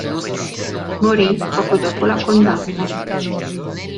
Morì poco dopo la condanna.